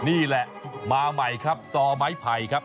นี่แหละมาใหม่ครับซอไม้ไผ่ครับ